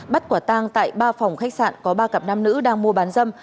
bắt quả tang tại ba phòng khách sạn có ba cặp nam nữ đang mua bán dâm